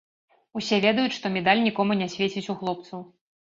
Усе ведаюць, што медаль нікому не свеціць у хлопцаў.